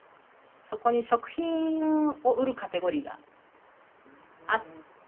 そこに食品を売るカテゴリーがあって。